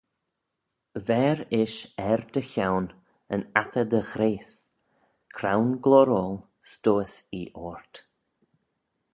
Ver ish er dty chione yn attey dy ghrayse: crown gloyroil stowys ee ort.